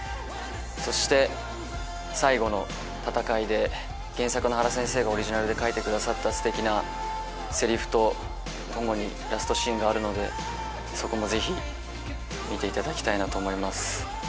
そして最後の戦いで原作の原先生がオリジナルで書いてくださったステキなセリフとともにラストシーンがあるのでそこもぜひ見ていただきたいなと思います。